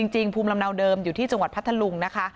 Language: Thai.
ภูมิลำเนาเดิมอยู่ที่จังหวัดพัทธลุงนะคะ